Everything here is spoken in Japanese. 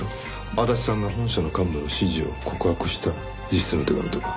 足立さんが本社の幹部の指示を告白した自筆の手紙とか。